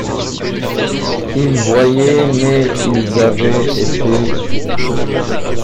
Ils voyaient, mais ils avaient été vus.